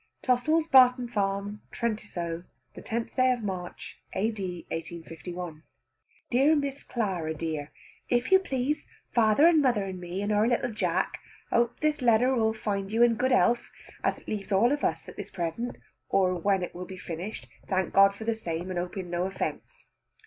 Tossil's Barton Farm, Trentisoe. The tenth day of March A.D. 1851. "DEAR MISS CLARA DEAR, If you please, father and mother and me and our little Jack hope this letter will find you in good health as it leaves all of us at this present, or when it will be finished, thank God for the same, and hoping no offence.